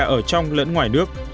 ở trong lẫn ngoài nước